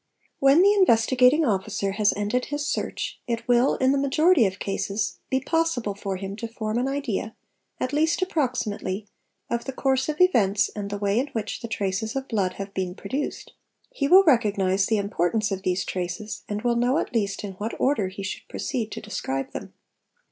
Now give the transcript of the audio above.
When the Investigating Officer has ended his search it will, in the majority of cases, be possible for him to form an idea, at least approxi mately, of the course of events and the way in which the traces of blood have been produced ; he will recognise the importance of these traces and will know at least in what order he should proceed to describe them.